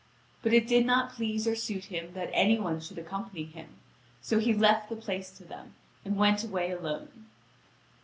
But it did not please or suit him that any one should accompany him; so he left the place to them, and went away alone.